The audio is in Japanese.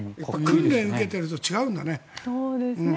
訓練を受けていると違うんだね。